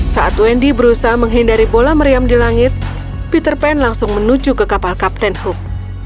saat wendy berusaha menghindari pola meriam di langit peter pan langsung menuju ke kapal kapten hook